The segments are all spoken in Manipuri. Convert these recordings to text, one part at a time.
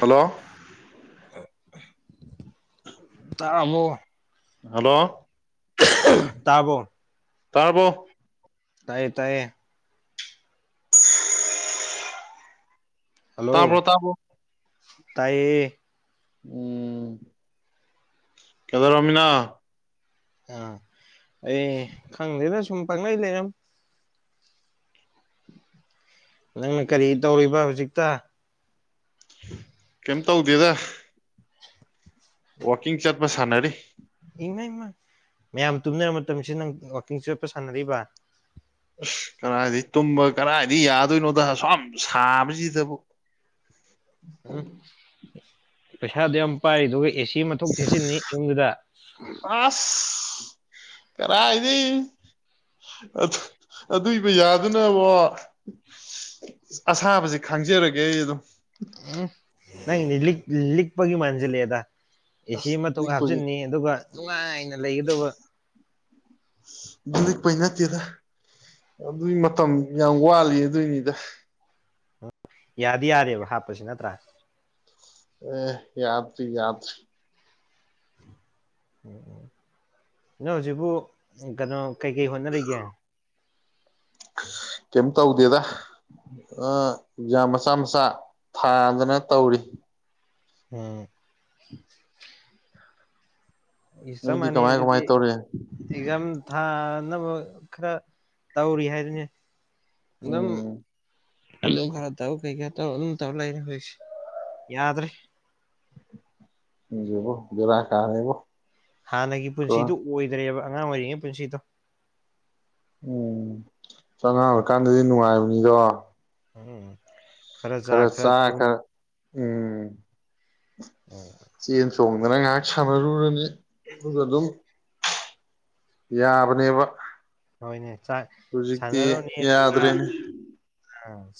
ꯍꯜꯂꯣ ꯇꯔꯕꯣ ꯍꯜꯂꯣ ꯇꯔꯕꯥꯣ ꯇꯔꯕꯣ ꯇꯥꯏꯌꯦ ꯇꯥꯏꯌꯦ ꯍꯜꯂꯣ ꯇꯥꯕ꯭ꯔꯣ ꯇꯥꯕ꯭ꯔꯣ ꯇꯥꯏꯌꯦ ꯎꯝ ꯀꯩꯗꯧꯔꯝꯃꯤꯅꯣ ꯑ ꯍꯣꯏꯌꯦ ꯈꯪꯗꯦꯅ ꯁꯨꯝ ꯄꯥꯡꯂꯩ ꯂꯩꯔꯝ ꯅꯪꯅ ꯀꯔꯤ ꯇꯧꯔꯤꯕ ꯍꯧꯖꯤꯛꯇ ꯀꯩꯝ ꯇꯧꯗꯦꯗ [unintelligible] ꯋꯥꯀꯤꯡ ꯆꯠꯄ ꯁꯥꯟꯅꯔꯤ ꯏꯃꯥꯏ ꯃ ꯃꯌꯥꯝ ꯇꯨꯝꯅꯔ ꯃꯇꯝꯁꯤ ꯅꯪ ꯋꯥꯛꯀꯤꯡ ꯆꯠꯄ ꯁꯥꯟꯅꯔꯤꯕ ꯑꯁ ꯀꯗꯥꯥꯏꯗꯩ ꯇꯨꯝꯕ ꯀꯗꯥꯏꯗꯤ ꯌꯥꯗꯣꯏꯅꯣꯗ ꯑꯁꯨꯌꯥꯝ ꯁꯥꯕꯁꯤꯗꯕꯨ ꯎꯝ ꯄꯩꯁꯥ ꯑꯗꯨꯌꯥꯝ ꯄꯥꯏꯔꯤꯗꯨꯕꯨ ꯑꯦꯁꯤ ꯑꯃ ꯊꯣꯛ ꯊꯦꯠꯆꯤꯟꯅꯤ ꯑꯦꯝ ꯌꯨꯗ ꯀꯔꯥꯏꯗꯩ ꯑꯗꯨ ꯑꯗꯨꯏ ꯄꯩꯁꯥꯗꯨꯅꯕꯨ ꯑꯁꯥꯕꯁꯤ ꯈꯥꯡꯖꯔꯒꯦ ꯑꯩ ꯑꯗꯨꯝ ꯎꯝ ꯅꯪꯁꯤ ꯂꯤꯛ ꯂꯤꯛꯄꯒꯤ ꯃꯥꯟꯁꯤꯟꯂꯛꯑꯦꯗ ꯑꯦꯁꯤ ꯑꯁ ꯑꯃ ꯊꯣꯛ ꯂꯤꯛꯄꯒꯤ ꯍꯥꯞꯆꯤꯟꯅꯤ ꯑꯗꯨꯒ ꯅꯨꯡꯉꯥꯏꯅ ꯂꯩꯒꯗꯕ ꯑꯁ ꯂꯤꯛꯄꯩ ꯅꯠꯇꯦꯗ ꯑꯗꯨꯏ ꯃꯇꯝ ꯌꯥꯝ ꯋꯥꯠꯂꯤ ꯑꯗꯨꯏꯅꯤꯗ ꯎꯝ ꯌꯥꯗꯤ ꯌꯥꯔꯦꯕ ꯍꯥꯞꯄꯁꯤ ꯅꯠꯇ꯭ꯔꯥ ꯑꯦ ꯌꯥꯇ꯭ꯔꯤ ꯌꯥꯇ꯭ꯔꯤ ꯎꯝ ꯎꯝ ꯅꯪ ꯍꯧꯖꯤꯛꯕꯨ ꯀꯩꯅꯣ ꯀꯩꯀꯩ ꯍꯣꯠꯅꯔꯤꯒꯦ ꯀꯩꯝ ꯇꯧꯗꯦꯗ ꯑ ꯑꯦꯛꯖꯥꯝ ꯃꯆꯥ ꯃꯆꯥ ꯊꯥꯗꯅ ꯇꯧꯔꯤ ꯎꯝ ꯏꯁ ꯆꯞ ꯅꯣꯏꯗꯤ ꯃꯥꯅꯩ ꯀꯃꯥꯏ ꯀꯃꯥꯏ ꯑꯗꯨꯗꯤ ꯇꯧꯔꯤ ꯑꯦꯛꯖꯥꯝ ꯊꯥꯅꯕ ꯈꯔ ꯇꯧꯔꯤ ꯍꯥꯏꯗꯨꯅꯦ [unintelligible] ꯎꯝ ꯑꯗꯨꯝ ꯈꯔ ꯇꯧ ꯀꯩꯀꯥ ꯇꯧ ꯑꯗꯨꯝ ꯇꯧ ꯂꯩꯔꯦ ꯍꯧꯖꯤꯛꯁꯦ ꯌꯥꯗ꯭ꯔꯦ ꯈꯪꯗꯦꯕꯣ ꯕꯦꯔꯥ ꯀꯥꯔꯦꯕꯣ ꯍꯥꯟꯅꯒꯤ ꯀꯣ ꯄꯨꯟꯁꯤꯗꯨ ꯑꯣꯏꯗ꯭ꯔꯦꯕ ꯑꯉꯥꯡ ꯑꯣꯏꯔꯤꯉꯩ ꯄꯨꯟꯁꯤꯗꯣ ꯎꯝ ꯑꯁ ꯑꯉꯥꯡ ꯑꯣꯏꯀꯥꯟꯗꯗꯤ ꯅꯨꯡꯉꯥꯏꯕꯅꯤꯗꯣ ꯎꯝ ꯈꯔ ꯆꯥ ꯈꯔ ꯎꯝ ꯎꯝ ꯆꯦꯟ ꯆꯣꯡꯗꯅ ꯉꯥꯏꯍꯥꯛ ꯁꯥꯟꯅꯔꯨꯔꯅꯤ ꯑꯗꯨꯒ ꯑꯗꯨꯝ ꯌꯥꯕꯅꯦꯕ ꯍꯣꯏꯅꯦ ꯆꯥꯏ ꯍꯧꯖꯤꯛꯇꯤ ꯁꯥꯟꯅꯔꯣꯅꯤ [unintelligible] ꯑ ꯌꯥꯗ꯭ꯔꯦꯅꯦ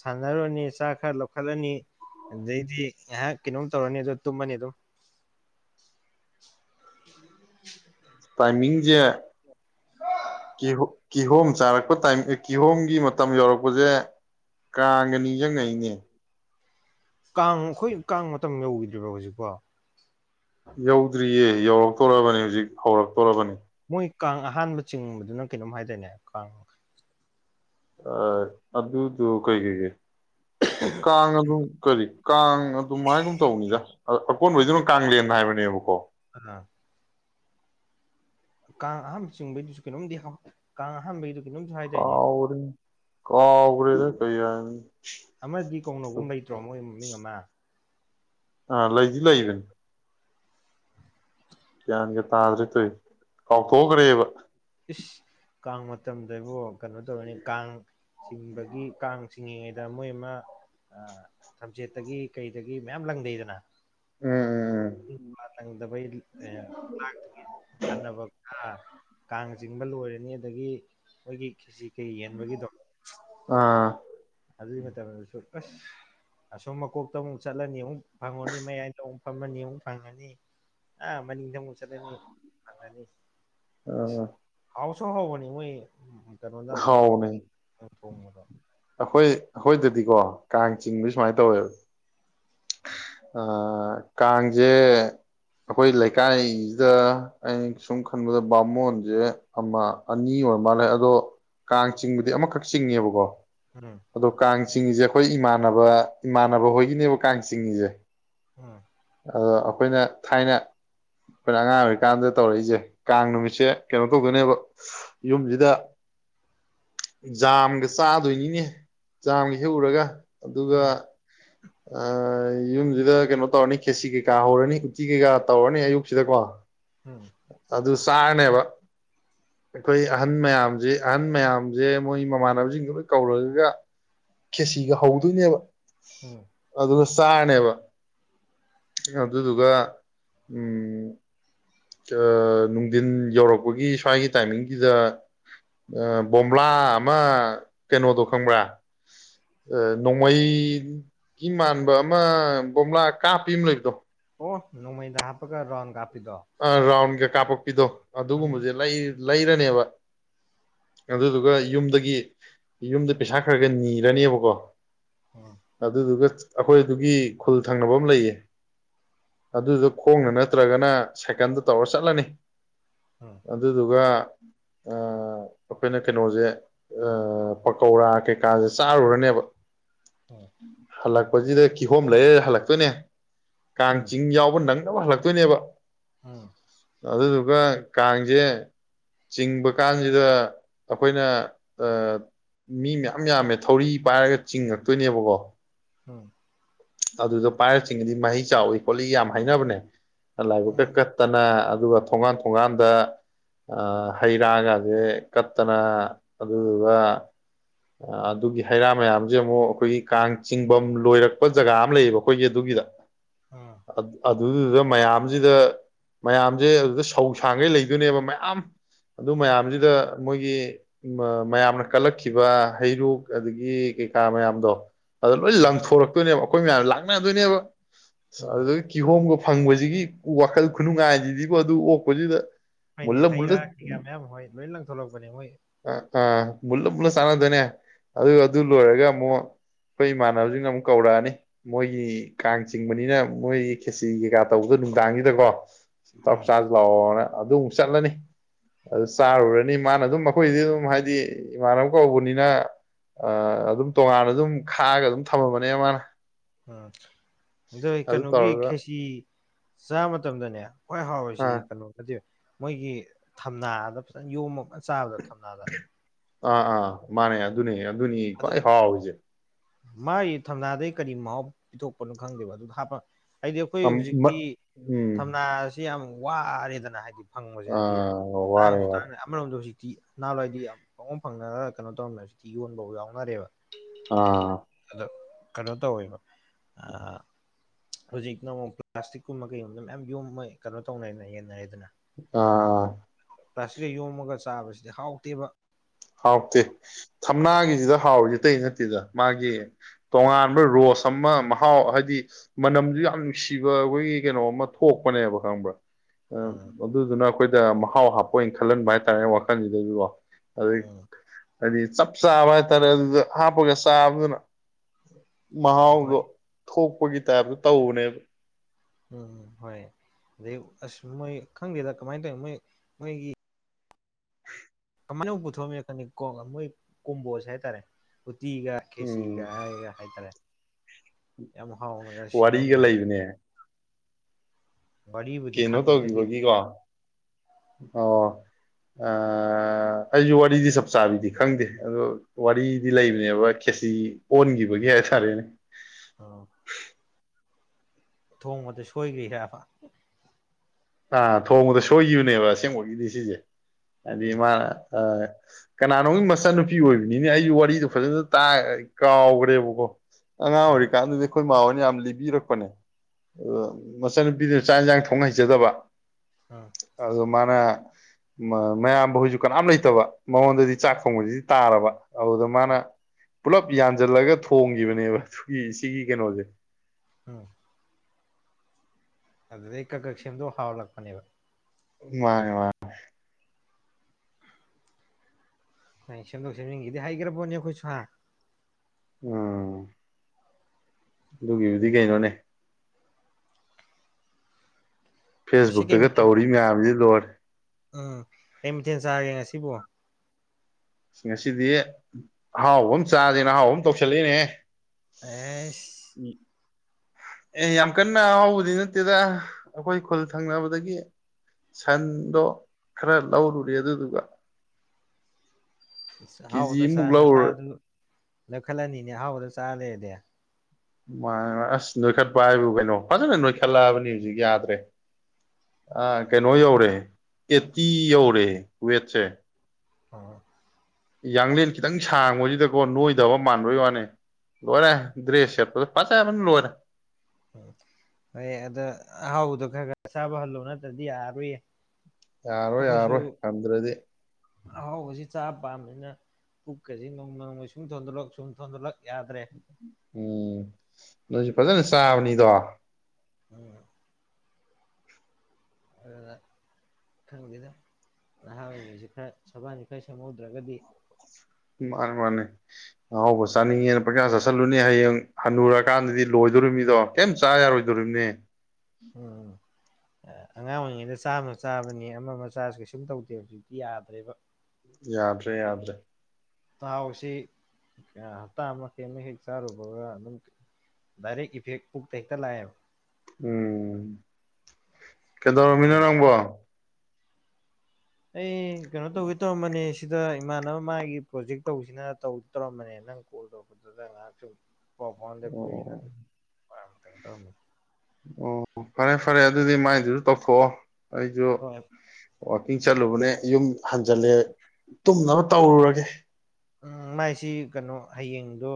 ꯁꯥꯟꯅꯔꯨꯔꯅꯤ ꯆꯥꯛ ꯈꯔ ꯂꯧꯈꯠꯂꯅꯤ ꯑꯗꯩꯗꯤ ꯉꯥꯏꯍꯥꯛ ꯀꯩꯅꯣꯝ ꯇꯧꯔꯅꯤ ꯑꯗꯣ ꯇꯨꯝꯃꯅꯤ ꯑꯗꯨꯝ [unintelligible] ꯇꯥꯏꯃꯤꯝꯁꯦ [unintelligible] ꯀꯤꯍꯣꯝ ꯆꯥꯔꯛꯄ ꯇꯥꯏꯝ ꯀꯤꯍꯣꯝꯒꯤ ꯃꯇꯝ ꯌꯧꯔꯛꯄꯁꯦ ꯀꯥꯡꯒ ꯅꯤꯡꯁꯤꯡꯉꯛꯏꯅꯦ ꯀꯥꯡ ꯑꯩꯈꯣꯏ ꯀꯥꯡ ꯃꯇꯝ ꯌꯧꯒꯤꯗ꯭ꯔꯤꯕꯣ ꯍꯧꯖꯤꯛꯄꯣ ꯌꯧꯗ꯭ꯔꯤꯌꯦ ꯌꯧꯔꯛꯇꯣꯔꯕꯅꯤ ꯍꯧꯖꯤꯛ ꯍꯧꯔꯛꯇꯣꯔꯕꯅꯤ ꯃꯣꯏ ꯀꯥꯡ ꯑꯍꯥꯟꯕ ꯆꯤꯡꯕꯗꯨꯅ ꯀꯩꯅꯣꯝ ꯍꯥꯏꯗꯥꯏꯅꯦ ꯀꯥꯡ ꯑꯗꯨꯗꯣ ꯀꯩ ꯀꯩꯩ ꯀꯥꯡ ꯑꯗꯨ ꯀꯔꯤ ꯀꯥꯡ ꯑꯗꯨꯥꯏꯅꯒꯨꯝ ꯇꯧꯕꯅꯤꯗ ꯑ ꯑꯀꯣꯟꯕꯩꯗꯨꯅ ꯀꯥꯡꯂꯦꯟ ꯍꯥꯏꯕꯅꯦꯕꯀꯣ ꯑ ꯀꯥꯡ ꯑꯍꯥꯟꯕ ꯆꯤꯡꯕꯩꯗꯨꯁꯨ ꯀꯩꯅꯣꯝꯗꯤ ꯍꯥꯞ ꯀꯥꯡ ꯑꯍꯥꯟꯕꯩꯗꯨ ꯀꯩꯅꯣꯝꯁꯨ ꯍꯥꯏꯗꯥꯏꯅꯦ ꯀꯥꯎꯒ꯭ꫪ‌ꯦꯅ‌ꯦ ꯀꯥꯎꯒꯔ‌ꯦꯗ ꯀꯩ ꯍꯥꯏꯕꯅꯣ ꯑꯃꯗꯤ ꯀꯧꯅꯒꯨꯝ ꯂꯩꯇ꯭ꯔꯣ ꯃꯣꯏ ꯃꯃꯤꯡ ꯑꯃ ꯑꯥ ꯂꯩꯗꯤ ꯂꯩꯕꯅꯤ ꯒ꯭ꯌꯥꯟꯒ ꯇꯥꯗ꯭ꯔꯦ ꯇꯧꯖ‌ꯦ ꯀꯥꯎꯊꯣꯛꯈ꯭ꯔꯦꯕ ꯏꯁ ꯀꯥꯡ ꯃꯇꯝꯗ ꯏꯕꫭ ꯀꯩꯅꯣ ꯇꯧꯔꯅꯤ ꯀꯥꯡ ꯆꯤꯡꯕꯒꯤ ꯀꯥꯡ ꯆꯤꯡꯉꯤꯉꯩꯗ ꯃꯣꯏ ꯑꯃ ꯑ ꯊꯝꯆꯦꯠꯇꯒꯤ ꯀꯩꯗꯒꯤ ꯃꯌꯥꯝ ꯂꯪꯗꯩꯗꯅ ꯎꯝ ꯎꯝ ꯃꯥ ꯇꯪꯗꯕꯩ ꯑ ꯂꯥꯛ ꯈꯟꯅꯕ ꯀꯥꯡ ꯆꯤꯡꯕ ꯂꯣꯏꯔꯅꯤ ꯑꯗꯒꯤ ꯑꯩꯈꯣꯏꯒꯤ ꯀꯦꯁꯤ ꯀꯩ ꯌꯦꯟꯕꯒꯤꯗꯣ ꯎꯝ ꯎꯝ ꯑꯥ ꯑꯗꯨꯒꯤ ꯃꯇꯝꯗꯁꯨ ꯑꯁ ꯑꯁꯣꯝ ꯃꯀꯣꯛꯇ ꯑꯃꯨꯛ ꯆꯠꯂꯅꯤ ꯑꯃꯨꯛ ꯐꯪꯉꯅꯤ ꯃꯌꯥꯏꯗ ꯑꯃꯨꯛ ꯐꯝꯃꯅꯤ ꯑꯃꯨꯛ ꯐꯪꯉꯅꯤ ꯑꯥ ꯃꯅꯤꯡꯗ ꯑꯃꯨꯛ ꯆꯠꯂꯅꯤ ꯐꯪꯡꯉꯥꯅꯤ ꯑꯁ ꯑꯥ ꯍꯥꯎꯁꯨ ꯍꯧꯕꯅꯤ ꯃꯣꯏ ꯀꯩꯅꯣꯗ ꯍꯥꯎꯕꯅꯦ ꯕꯥꯃꫭꯟꯅ ꯊꯣꯡꯕꯗꯣ ꯑꯩꯈꯣꯏ ꯑꯩꯈꯣꯏꯗꯗꯤꯀꯣ ꯀꯥꯡ ꯆꯤꯡꯕ ꯁꯨꯃꯥꯏꯅ ꯇꯧꯋꯦꯕ ꯑ ꯀꯥꯡꯖꯦ ꯑꯩꯈꯣꯏ ꯂꯩꯀꯥꯏꯁꯤꯗ ꯑꯩꯅ ꯁꯨꯝ ꯈꯟꯕꯗ ꯕꯥꯃꯣꯟꯁꯦ ꯑꯃ ꯑꯅꯤ ꯑꯣꯏꯔ ꯃꯥꯜꯂꯦ ꯑꯗꯣ ꯀꯥꯡ ꯆꯤꯡꯕꯗꯤ ꯑꯃꯈꯛ ꯆꯤꯡꯉꯦꯕꯀꯣ ꯎꯝ ꯑꯗꯣ ꯀꯥꯡ ꯆꯤꯡꯉꯤꯁꯦ ꯑꯩꯈꯣꯏ ꯏꯃꯥꯟꯅꯕ ꯏꯃꯥꯟꯅꯕ ꯍꯣꯏꯒꯤꯅꯦꯕ ꯀꯥꯡ ꯆꯤꯡꯉꯤꯁꯦ ꯎꯝ ꯑꯗꯣ ꯑꯩꯈꯣꯏꯅ ꯊꯥꯏꯅ ꯑꯩꯈꯣꯏꯅ ꯑꯉꯥꯡ ꯑꯣꯏꯔꯤꯀꯥꯟꯗ ꯇꯧꯔꯛꯏꯁꯦ ꯀꯥꯡ ꯅꯨꯃꯤꯠꯁꯦ ꯀꯩꯅꯣ ꯇꯧꯗꯣꯏꯅꯦꯕ ꯌꯨꯝꯖꯤꯗ ꯖꯥꯝꯒ ꯆꯥꯗꯣꯏꯅꯤꯅꯦ ꯖꯥꯝꯒ ꯍꯦꯛꯎꯔꯒ ꯑꯗꯨꯒ ꯎꯝ ꯑ ꯌꯨꯝꯁꯤꯗ ꯀꯩꯅꯣ ꯇꯧꯔꯅꯤ ꯈꯦꯁꯤ ꯀꯩꯀꯥ ꯍꯧꯔꯅꯤ ꯎꯇꯤ ꯀꯩꯀꯥ ꯇꯧꯔꯅꯤ ꯑꯌꯨꯛꯁꯤꯗ ꯀꯣ ꯎꯝ ꯑꯗꯨ ꯆꯥꯔꯅ‌ꯤꯕ ꯑꯩꯈꯣꯏ ꯑꯍꯟ ꯃꯌꯥꯝꯖ‌ꯦ ꯑꯍꯟ ꯃꯌꯥꯝꯁꯦ ꯃꯣꯏ ꯃꯃꯥꯟꯅꯕꯁꯤꯡꯁ ꯂꯣꯏ ꯀꯧꯔꯒ ꯈꯦꯆꯤꯒ ꯍꯧꯗꯣꯏꯅꯦꯕ ꯎꯝ ꯑꯗꯨꯒ ꯆꯥꯔꯅꯦꯕ ꯑꯗꯨꯗꯨꯒ ꯎꯝ ꯑ ꯅꯨꯡꯊꯤꯟ ꯌꯧꯔꯛꯄꯒꯤ ꯁ꯭ꯋꯥꯏꯒꯤ ꯇꯥꯏꯃꯤꯡꯁꯤꯗ ꯕꯣꯝꯂꯥ ꯑꯃ ꯀꯩꯅꯣꯗꯣ ꯈꯪꯕ꯭ꯔꯥ ꯅꯣꯡꯃꯩꯒꯤ ꯃꯥꯟꯕ ꯑꯃ ꯕꯣꯝꯂꯥ ꯀꯥꯞꯄꯤ ꯑꯃ ꯂꯩꯕꯗꯣ ꯑꯣ ꯅꯣꯡꯃꯩꯗ ꯍꯥꯞꯄꯒ ꯔꯥꯎꯟ ꯀꯥꯞꯄꯤꯗꯣ ꯑ ꯔꯥꯎꯟꯒ ꯀꯥꯞꯄꯛꯄꯤꯗꯣ ꯎꯝ ꯑꯗꯨꯒꯨꯝꯕꯖ‌ꯦ ꯂꯩ ꯂꯩꯔꯅꯦꯕ ꯑꯗꯨꯗꯨꯒ ꯌꯨꯝꯗꯒꯤ ꯌꯨꯝꯗ ꯄꯩꯁꯥ ꯈꯔ ꯈꯔ ꯅꯤꯔꯅꯦꯕꯀꯣ ꯑꯥ ꯑꯗꯨꯗꯨꯒ ꯑꯩꯈꯣꯏ ꯑꯗꯨꯒꯤ ꯈꯨꯜ ꯊꯪꯅꯕ ꯑꯃ ꯂꯩꯌꯦ ꯑꯗꯨꯗ ꯈꯣꯡꯅ ꯅꯠꯇ꯭ꯔꯒꯅ ꯁꯥꯏꯀꯜꯗ ꯇꯧꯔꯒ ꯆꯠꯂꯅꯤ ꯎꯝ ꯑꯗꯨꯗꯨꯒ ꯑ ꯑꯩꯈꯣꯏꯅ ꯀꯩꯅꯣꯖ‌ꯦ ꯑ ꯄꯀꯧꯔꯥ ꯀꯩꯀꯥꯁꯦ ꯆꯥꯔꯨꯔꯅꯦꯕ ꯎꯝ ꯍꯜꯂꯛꯄꯁꯤꯗ ꯀꯤꯍꯣꯝ ꯂꯩꯔ ꯍꯜꯂꯛꯇꯣꯏꯅꯦ ꯀꯥꯡ ꯎꯝ ꯎꯝ ꯆꯤꯡ ꯌꯥꯎꯕ ꯅꯪ ꯄꯨꯂꯞ ꯍꯜꯂꯛꯇꯣꯏꯅꯦꯕ ꯎꯝ ꯑꯗꯨꯗꯨꯒ ꯀꯥꯡꯖ‌ꯦ ꯆꯤꯡꯕ ꯀꯥꯟꯁꯤꯗ ꯑꯩꯈꯣꯏꯅ ꯑꯥ ꯃꯤ ꯃꯌꯥꯝ ꯌꯥꯝꯃꯦ ꯊꯧꯔꯤ ꯄꯥꯏꯔꯒ ꯆꯤꯡꯉꯛꯇꯣꯏꯅꯦꯕꯀꯣ ꯎꯝ ꯑꯗꯨꯗꯣ ꯄꯥꯏꯔꯥ ꯆꯤꯡꯑꯗ ꯃꯍꯩ ꯆꯥꯎꯏ ꯈꯣꯠꯂꯤ ꯌꯥꯝ ꯍꯥꯏꯅꯕꯅꯦ ꯂꯥꯏꯕꯛꯇ ꯎꯝ ꯀꯠ ꯇꯅ ꯑꯗꯨꯒ ꯊꯣꯒꯥꯟ ꯊꯣꯡꯒꯥꯟꯗ ꯍꯩ ꯔꯥꯒꯁꯦ ꯀꯠꯇꯅ ꯑꯗꯨꯗꯨꯒ ꯑꯗꯨꯒꯤ ꯍꯩꯔꯥ ꯃꯌꯥꯝꯁꯦ ꯑꯃꯨꯛ ꯑꯩꯈꯣꯏꯒꯤ ꯀꯥꯡ ꯆꯤꯡꯐꯝꯝ ꯂꯣꯏꯔꯛꯄ ꯖꯒꯥ ꯑꯃ ꯂꯩꯌꯦꯕ ꯑꯩꯈꯣꯏꯒꯤ ꯑꯗꯨꯒꯤꯗ [inaudible] ꯑꯥ ꯑꯥ ꯑꯗꯨꯗꯨꯗ ꯃꯌꯥꯝꯁꯤꯗ ꯃꯌꯥꯝꯁꯦ ꯑꯗꯨꯗ ꯁꯧ ꯁꯥꯡꯉꯩ ꯂꯩꯗꯣꯏꯅꯦꯕ ꯃꯌꯥꯝ ꯑꯗꯨ ꯃꯌꯥꯝꯁꯤꯗ ꯃꯣꯏꯒꯤ ꯃꯌꯥꯝꯅ ꯀꯜꯂꯛꯈꯤꯕ ꯍꯩꯔꯨꯛ ꯑꯗꯒꯤ ꯀꯩꯀꯥ ꯃꯌꯥꯝꯗꯣ ꯑꯗ ꯂꯣꯏ ꯎꯝ ꯂꯪꯊꯣꯔꯛ ꯑꯩꯈꯣꯏ ꯃꯌꯥꯝ ꯂꯥꯛꯅꯗꯣꯏꯅꯦꯕ ꯎꯝ ꯑꯗꯨ ꯀꯤꯍꯣꯝꯒ ꯐꯪꯕꯁꯤꯒꯤ ꯋꯥꯈꯜ ꯈꯨꯅꯨꯡꯉꯥꯏꯁꯤꯗꯤꯀꯣ ꯑꯗꯨ ꯑꯣꯛꯄꯁꯤꯗ ꯍꯣꯏꯅꯦ ꯃꯨꯜꯂ ꯍꯩ ꯔꯥ ꯃꯨꯜꯂ ꯀꯩꯀꯥ ꯃꯌꯥꯝ ꯍꯣꯏ ꯂꯣꯏ ꯂꯪꯊꯂꯛꯄꯅꯦ ꯃꯣꯏ ꯑ ꯑ ꯃꯜꯂ ꯃꯜꯂ ꯆꯥꯅꯗꯣꯏꯅꯦ ꯑꯗꯨ ꯑꯗꯨ ꯂꯔꯒ ꯑꯃꯨꯛ ꯑꯩꯈꯣꯏ ꯏꯃꯥꯟꯅꯕꯁꯤꯡꯅ ꯑꯃꯨꯛ ꯀꯧꯔꯛꯑꯅꯤ ꯃꯣꯏꯒꯤ ꯀꯥꯡ ꯆꯤꯡꯕꯅꯤꯅ ꯃꯣꯏꯒꯤ ꯈꯦꯁꯤ ꯀꯩꯀꯥ ꯇꯧꯕꯗꯣ ꯅꯨꯡꯗꯥꯡꯁꯤꯗꯀꯣ ꯆꯥꯛ ꯎꯝ ꯆꯥꯖꯦ ꯂꯥꯛꯑꯣꯅ ꯑꯗꯨꯃꯨꯛ ꯆꯠꯂꯅꯤ ꯑꯗꯨ ꯆꯥꯔꯨꯔꯅꯤ ꯃꯥꯅ ꯑꯗꯨꯝ ꯃꯈꯣꯏꯗꯤ ꯑꯗꯨꯝ ꯍꯥꯏꯗꯤ ꯏꯃꯥꯟꯅꯕ ꯀꯧꯕꯅꯤꯅ ꯑ ꯑꯗꯨꯝ ꯇꯣꯉꯥꯟꯅ ꯑꯗꯨꯝ ꯈꯥꯛꯑꯒ ꯑꯗꯨꯝ ꯊꯝꯃꯕꯅꯦ ꯃꯥꯅ ꯎꯝ ꯑꯗꯣ ꯑꯗꯨ ꯀꯩꯅꯣꯒꯤ ꯇꯧꯔꯒ ꯈꯔ꯭ꯦꯆꯤ ꯆꯥ ꯃꯇꯝꯗꯅꯦ ꯍꯣꯏ ꯍꯥꯎꯔꯤꯁꯤ ꯑꯥ ꯀꯩꯅꯣ ꯅꯠꯇ ꯃꯣꯏꯒꯤ ꯊꯝꯅꯥꯗ ꯐꯖꯅ ꯌꯣꯝꯃ ꯆꯥꯕꯗꯣ ꯊꯝꯅꯥꯗ ꯑꯥ ꯑꯥ ꯃꯥꯅꯦ ꯑꯗꯨꯅꯦ ꯑꯗꯨꯅꯤ ꯑꯗꯨ ꯈ꯭ꯋꯥꯏ ꯍꯥꯎꯔꯤꯁꯦ ꯃꯥꯒꯤ ꯊꯝꯅꯥꯗꯒꯤ ꯀꯔꯤ ꯃꯍꯥꯎ ꯄꯤꯊꯣꯛꯄꯅꯣ ꯈꯪꯗꯦꯕ ꯑꯗꯨ ꯍꯥꯞꯄ ꯍꯥꯏꯗꯤ ꯑꯩꯈꯣꯏ ꯎꯝ ꯍꯧꯖꯤꯛꯇꯤ ꯊꯝꯅꯥꯁꯤ ꯌꯥꯝ ꯋꯥꯔꯦꯗꯅ ꯍꯥꯏꯗꯤ ꯐꯪꯕꯁꯦ ꯍꯥꯏꯗꯤ ꯑꯥ ꯋꯥꯔꯦ ꯇꯥꯡꯉꯁꯨ ꯋꯥꯔꯦ ꯇꯥꯡꯅꯥ ꯑꯃꯔꯣꯝꯗ ꯍꯧꯖꯤꯛꯇꯤ ꯅꯍꯥꯟꯋꯥꯏꯗꯤ ꯄꯪ ꯐꯪꯅꯔꯒ ꯀꯩꯅꯣ ꯇꯧꯔꯝꯃꯤꯅ ꯍꯧꯖꯤꯛꯇꯤ ꯌꯣꯟꯕꯐꯥꯎ ꯌꯥꯎꯅꯔꯦꯕ ꯑ ꯑꯗꯣ ꯀꯩꯅꯣ ꯇꯧꯋꯦꯕ ꯑ ꯍꯧꯖꯤꯛꯅ ꯑꯃꯨꯛ ꯄ꯭ꯂꯥꯁꯇꯤꯛꯀꯨꯝꯕ ꯀꯩꯒꯨꯝꯕꯗ ꯃꯌꯥꯝ ꯌꯣꯝꯃꯥ ꯀꯩꯅꯣ ꯇꯧꯅꯅ ꯌꯦꯟꯅꯔꯦꯗꯅ ꯑ ꯄ꯭ꯂꯥꯥꯁꯇꯤꯛ ꯌꯣꯝꯃꯒ ꯆꯥꯕꯁꯤꯗꯤ ꯍꯥꯎꯇꯦꯕ ꯍꯥꯎꯇꯦ ꯊꯝꯅꯥꯒꯤꯁꯤꯗ ꯍꯥꯎꯔꯤꯁ ꯑꯇꯩ ꯅꯠꯇꯦꯗ ꯃꯥꯒꯤ ꯇꯣꯉꯥꯟꯕ ꯔꯣꯁ ꯑꯃ ꯃꯍꯥꯎ ꯍꯥꯏꯗꯤ ꯃꯅꯝꯁꯨ ꯌꯥꯝ ꯅꯨꯡꯁꯤꯕ ꯑꯩꯈꯣꯏꯒꯤ ꯀꯩꯅꯣ ꯑꯃ ꯊꯣꯛꯄꯅꯦꯕ ꯈꯪꯕ꯭ꯔꯥ ꯎꯝ ꯑꯗꯨꯗꯨꯅ ꯑꯩꯈꯣꯏꯗ ꯃꯍꯥꯎ ꯍꯥꯞꯄ ꯑꯣꯏꯅ ꯈꯜꯍꯟꯕ ꯍꯥꯏꯇꯥꯔꯦ ꯋꯥꯈꯜꯁꯤꯗꯗꯤꯀꯣ ꯑꯩ ꯎꯝ ꯍꯥꯏꯗꯤ ꯆꯞ ꯆꯥꯕ ꯍꯥꯏꯇꯥꯔꯦ ꯑꯗꯨꯗ ꯍꯥꯞꯄꯒ ꯆꯥꯕꯗꯨꯅ ꯃꯍꯥꯎꯗꯣ ꯍꯣꯏ ꯊꯣꯛꯄꯒꯤ ꯇꯥꯏꯞꯇ ꯇꯧꯕꯅꯦꯕ ꯎꯝ ꯍꯣꯏ ꯑꯗꯩ ꯑꯁ ꯃꯣꯏ ꯈꯪꯗꯦꯗ ꯀꯃꯥꯏꯅ ꯇꯧꯋ ꯃꯣꯏ ꯃꯣꯏꯒꯤ ꯎ ꯀꯃꯥꯏꯅꯕꯨ ꯄꯨꯊꯣꯛꯑꯝꯃꯤꯅꯣ ꯈꯪꯗꯦ ꯃꯣꯏ ꯀꯣꯝꯕꯣꯖꯦ ꯍꯥꯏꯇꯥꯔꯦ ꯎꯇꯤꯒ ꯈꯦꯆꯤꯒ ꯎꯝ ꯍꯥꯏꯔꯒꯥ ꯍꯥꯏꯇꯥꯔꯦ ꯌꯥꯝ ꯍꯥꯎꯅꯒ ꯋꯥꯔꯤꯒ ꯁꯦꯝꯃꯝꯃꯦꯕ ꯂꯩꯕꯅꯦ ꯋꯥꯔꯤꯕꯨꯗꯤ ꯀꯩꯅꯣ ꯈꯪꯗ꯭ꯔꯦ ꯑꯗꯨꯒꯤ ꯇꯧꯒꯤꯕꯒꯤꯀꯣ ꯑꯣ ꯑꯩꯖꯨ ꯋꯥꯔꯤꯗꯤ ꯆꯞ ꯆꯥꯕꯤꯗꯤ ꯈꯪꯗꯦ ꯑꯗꯣ ꯋꯥꯔꯤꯗꯤ ꯂꯩꯕꯅꯦꯕ ꯈꯦꯆꯤ ꯑꯣꯟꯒꯤꯕꯒꯤ ꯍꯥꯏꯇꯥꯔꯦꯅꯦ ꯑꯣ ꯊꯣꯡꯕꯗ ꯁꯣꯏꯒ꯭ꯔꯤꯔꯥꯕ ꯑꯥ ꯊꯣꯡꯕꯗ ꯁꯣꯏꯒꯤꯕꯅꯦꯕ ꯑꯁꯦꯡꯕꯒꯤꯗꯤ ꯁꯤꯁꯦ ꯍꯥꯏꯗꯤ ꯎꯝ ꯃꯥꯅ ꯀꯅꯥꯅꯣꯝꯒꯤ ꯃꯆꯥꯟꯅꯨꯄꯤ ꯑꯣꯏꯕꯅꯤꯅꯦ ꯑꯩꯖꯨ ꯋꯥꯔꯤꯗꯣ ꯐꯖꯅ ꯇ ꯀꯥꯎꯒ꯭ꯔꯦꯕꯀꯣ ꯑꯉꯥꯡ ꯎꯝ ꯑꯣꯏꯔꯤꯀꯟꯗꯅꯦ ꯑꯩꯈꯣꯏ ꯃꯥ ꯍꯣꯏꯅ ꯌꯥꯝ ꯂꯤꯕꯤꯔꯛꯄꯅꯦ ꯃꯆꯟꯅꯨꯄꯤꯗꯨꯅꯥ ꯆꯥꯛ ꯌꯦꯟꯖꯥꯡ ꯊꯣꯡ ꯍꯩꯖꯗꯕ ꯑꯥ ꯑꯗꯨ ꯃꯅꯥ ꯃꯌꯥꯝꯕ ꯍꯣꯏꯖꯨ ꯀꯅꯥꯝ ꯂꯩꯇꯕ ꯃꯉꯣꯟꯗꯗꯤ ꯆꯥꯛ ꯊꯣꯡꯕꯁꯤꯗꯤ ꯇꯥꯔꯕ ꯑꯗꯨꯗ ꯃꯥꯅ ꯎꯝ ꯄꯨꯂꯞ ꯌꯥꯟꯁꯤꯜꯂꯒ ꯊꯣꯡꯒꯤꯕꯅꯦꯕ ꯑꯗꯨꯒꯤ ꯁꯤꯒꯤ ꯀꯩꯅꯣꯖꯦ ꯎꯝ ꯑꯗꯨꯗꯩ ꯀꯀꯛ ꯁꯦꯝꯗꯣ ꯍꯥꯎꯍꯜꯂꯛꯄꯅꯦꯕ ꯃꯥꯅꯦ ꯃꯥꯅꯦ ꯁꯦꯝꯗꯣꯛ ꯁꯦꯝꯖꯤꯟꯒꯤꯗꯤ ꯍꯩꯒ꯭ꯔ ꯄꯣꯠꯅꯤ ꯑꯩꯈꯣꯏꯖꯨ ꯍꯥ ꯎꯝ ꯑꯗꯨꯒꯤꯕꯨꯗꯤ ꯀꯩꯅꯣꯅꯦ ꯉꯁꯤ ꯀꯩ ꯐꯦꯁꯕꯨꯛꯇꯥꯒ ꯃꯊꯦꯜ ꯇꯧꯔꯤ ꯃꯌꯥꯝꯖꯤꯗꯤ ꯂꯣꯏꯔꯦ ꯎꯝ ꯀꯩ ꯃꯊꯦꯜ ꯆꯥꯔꯥꯒꯦ ꯉꯁꯤꯕꯣ ꯉꯁꯤꯗꯤ ꯑꯍꯥꯎꯕ ꯑꯃ ꯆꯥꯖꯦꯅ ꯑꯍꯥꯎꯕ ꯑꯃ ꯇꯧꯁꯜꯂꯤꯅꯦ ꯑꯦꯁ ꯎꯝ ꯑꯦ ꯌꯥꯝ ꯀꯟꯅ ꯑꯍꯥꯎꯕꯗꯤ ꯅꯠꯇꯦꯗ ꯑꯩꯈꯣꯏ ꯈꯨꯜ ꯊꯪꯅꯕꯗꯒꯤ ꯁꯟꯗꯣ ꯈꯔ ꯂꯧꯔꯨꯔꯦ ꯑꯗꯨꯗꯨꯒ ꯀꯦꯖꯤ ꯑꯍꯥꯎꯕꯗ ꯑꯃꯨꯛ ꯆꯥꯅ ꯂꯧꯔꯨꯔꯦ ꯅꯥꯁꯥꯥꯗꯨ ꯅꯣꯏꯈꯠꯂꯛ ꯑꯅꯤꯅꯦ ꯑꯍꯥꯎꯕꯗ ꯆꯥꯔ ꯂꯩꯔꯥꯗꯤ ꯃꯟꯅꯦ ꯃꯟꯅꯦ ꯅꯣꯏꯈꯠꯄ ꯍꯥꯏꯕꯨ ꯀꯩꯅꯣ ꯐꯖꯅ ꯅꯣꯏꯈꯠꯂꯕꯥꯅꯤ ꯍꯧꯖꯤꯛ ꯌꯥꯗ꯭ꯔꯦ ꯑ ꯀꯩꯅꯣ ꯌꯧꯔꯦ ꯑꯦꯠꯇꯤ ꯌꯧꯔꯦ ꯋꯦꯠꯁꯦ ꯑꯣ ꯌꯥꯡꯂꯦꯟ ꯈꯤꯇꯪ ꯁꯥꯡꯕꯖꯤꯗꯀꯣ ꯅꯣꯏꯗꯕ ꯃꯥꯟꯕꯥꯏ ꯋꯥꯅꯦ ꯂꯣꯏꯔꯦ ꯗ꯭ꯔꯦꯁ ꯁꯦꯠꯄꯗ ꯐꯖꯕꯅꯥ ꯂꯣꯏꯔꯦ ꯑꯣ ꯍꯣꯏ ꯑꯗ ꯑꯍꯥꯎꯕꯗꯣ ꯈꯔ ꯈꯔ ꯆꯥꯕ ꯍꯜꯂꯣ ꯅꯠꯇ꯭ꯔꯗꯤ ꯌꯥꯔꯔꯣꯏꯌꯦ ꯌꯥꯔꯣꯏ ꯌꯥꯔꯣꯏ ꯍꯟꯗ꯭ꯔꯗꯤ ꯑꯍꯥꯎꯕꯥꯖꯦ ꯆꯥ ꯄꯥꯝꯕꯅꯤꯅꯥ ꯄꯨꯛꯀꯥꯖꯦ ꯅꯣꯡꯃ ꯅꯣꯡꯃꯒꯤ ꯁꯨꯝ ꯊꯣꯟꯗꯣꯔꯛ ꯁꯨꯝ ꯊꯣꯟꯗꯣꯔꯥꯛ ꯌꯥꯗ꯭ꯔꯦ ꯎꯝ ꯅꯣꯏꯁꯨ ꯐꯖꯅ ꯆꯥꯕꯅꯤꯗꯣ ꯎꯝ ꯑꯗꯨꯅꯥ ꯈꯪꯗꯦꯗ ꯅꯍꯥ ꯑꯣꯏꯔꯤꯉꯥꯏꯖꯦ ꯈꯔ ꯁꯕꯥꯟꯖꯦ ꯈꯔ ꯁꯦꯝꯍꯧꯗ꯭ꯔꯒꯗꯤ ꯃꯥꯅꯦ ꯃꯥꯅꯦ ꯑꯍꯥꯎꯕ ꯆꯥꯅꯤꯡꯉꯦꯅ ꯄꯥꯡꯆꯥ ꯆꯥꯁꯤꯜꯂꯨꯅꯤ ꯍꯌꯦꯡ ꯍꯟꯅꯨꯔꯀꯥꯟꯗꯗꯤ ꯂꯣꯏꯗꯣꯔꯤꯃꯤꯗꯣ ꯀꯩꯝ ꯆꯥ ꯌꯥꯔꯣꯏꯗꯣꯔꯤꯝꯅꯦ ꯎꯝ ꯑꯉꯥꯡ ꯑꯣꯏꯔꯤꯉꯩꯗ ꯆꯥꯝꯃ ꯆꯥꯕꯅꯤ ꯑꯃ ꯑꯃ ꯆꯥꯔꯁꯨ ꯀꯩꯁꯨꯝ ꯇꯧꯗꯦ ꯍꯧꯖꯤꯛꯇꯤ ꯌꯥꯗ꯭ꯔꯦꯕ ꯌꯥꯗ꯭ꯔꯦ ꯌꯥꯗ꯭ꯔꯦ ꯊꯥꯎꯁꯤ ꯍꯞꯇꯥ ꯑꯃ ꯀꯩ ꯑꯃ ꯍꯦꯛ ꯆꯥꯔꯨꯕꯒ ꯑꯗꯨꯝ ꯗꯥꯏꯔꯦꯛ ꯏꯐꯦꯛ ꯄꯨꯛꯇ ꯍꯦꯛꯇ ꯂꯥꯛꯑꯦꯕ ꯎꯝ ꯀꯩꯗꯧꯔꯃꯤꯅꯣ ꯑꯗꯨꯅꯤ ꯅꯪꯕꯣ ꯑꯩ ꯀꯩꯅꯣ ꯇꯧꯒꯦ ꯇꯧꯔꯝꯕꯅꯦ ꯁꯤꯗ ꯏꯃꯥꯟꯅꯕ ꯃꯥꯒꯤ ꯄ꯭ꯔꯣꯖꯦꯛ ꯇꯧꯕꯁꯤꯅ ꯇꯧ ꯇꯧꯔꯝꯕꯅꯦ ꯅꯪ ꯀꯣꯜ ꯇꯧꯕ ꯑꯗꯨꯗ ꯉꯍꯥꯛꯁꯨꯝ ꯄꯥꯎ ꯐꯥꯎꯅꯗ ꯀꯨꯏꯔꯦꯅ ꯑꯣ ꯁꯨꯝ ꯄꯔꯝꯄꯗ [unintelligible] ꯇꯧꯔꯝꯕꯅꯦ ꯑꯣ ꯐꯔꯦ -ꯐꯔꯦ ꯑꯗꯨꯗꯤ ꯃꯥꯏꯗꯨꯖꯨ ꯇꯧꯊꯣꯛꯑꯣ ꯑꯩꯖꯨ ꯍꯣꯏ ꯋꯥꯥꯛꯀꯤꯡ ꯆꯠꯂꯨꯕꯅꯦ ꯌꯨꯝ ꯍꯟꯖꯜꯂꯦ ꯇꯨꯝꯅꯕ ꯇꯧꯔꯨꯔꯒꯦ ꯎꯝ ꯃꯥꯏꯁꯤ ꯀꯩꯅꯣ ꯍꯌꯦꯡꯗꯣ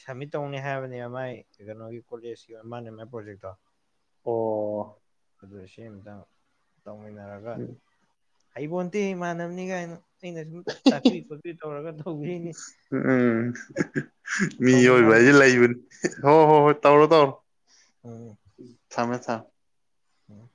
ꯁꯕꯃꯤꯠ ꯇꯧꯅꯤ ꯍꯥꯏꯕꯅꯦꯕ ꯃꯥꯏ ꯀꯩꯅꯣꯒꯤ ꯀꯣꯂꯦꯖꯀꯤ ꯑꯣꯏ ꯃꯥꯅꯦ ꯃꯥꯏ ꯄ꯭ꯔꯣꯖꯦꯛꯇꯣ ꯑꯣ ꯑꯗꯨ ꯁꯦꯝ ꯑ ꯑꯃꯇꯪ ꯇꯧꯃꯤꯟꯅꯔꯒ ꯍꯩꯕꯣꯟꯇꯦ ꯏꯃꯥꯟꯅꯕꯅꯤ ꯀꯥꯏꯅ ꯑꯩꯅ ꯁꯨꯝ ꯇꯥꯛꯄꯤ ꯈꯣꯠꯄꯤ ꯇꯧꯔꯒ ꯇꯧꯕꯤꯅꯦ ꯃꯤꯑꯣꯏꯕ ꯍꯥꯏꯁꯦ ꯂꯩꯕꯅꯤ ꯍꯣ ꯍꯣꯏ -ꯍꯣꯏ ꯇꯧꯔꯣ- ꯇꯧꯔꯣ ꯎꯝ ꯊꯃꯦ- ꯊꯝꯃꯦ ꯑꯣ